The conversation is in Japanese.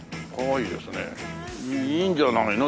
いいんじゃないの？